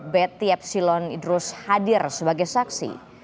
betty epsilon idrus hadir sebagai saksi